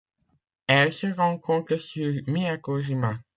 Elle se rencontre sur Miyako-jima.